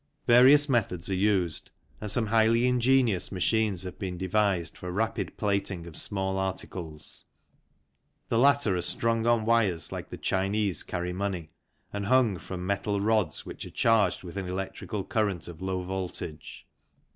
Various methods are used, and some highly ingenious machines have been devised for rapid plating of small articles. The latter are strung on wires like the Chinese carry money, and hung from metal rods which are charged with an electrical current of low voltage.